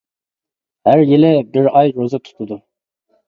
ھەر يىلى بىر ئاي روزا تۇتىدۇ.